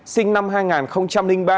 sinh năm hai nghìn ba